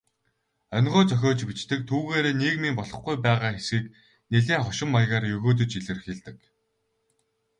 Онигоо зохиож бичдэг, түүгээрээ нийгмийн болохгүй байгаа хэсгийг нэлээн хошин маягаар егөөдөж илэрхийлдэг.